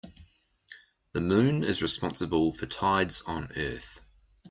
The moon is responsible for tides on earth.